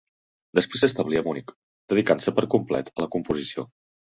Després s'establí a Munic dedicant-se per complet a la composició.